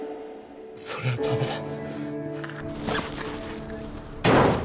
それは駄目だ。